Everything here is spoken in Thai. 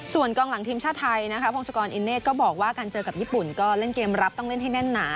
ส่วนกองหลังทีมชาติไทยนะคะพงศกรอินเนธก็บอกว่าการเจอกับญี่ปุ่นก็เล่นเกมรับต้องเล่นให้แน่นหนา